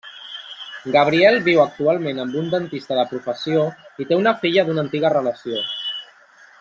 Gabriel viu actualment amb una dentista de professió i té una filla d'una antiga relació.